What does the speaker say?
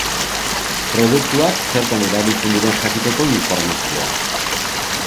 Produktuak zertan erabiltzen diren jakiteko informazioa.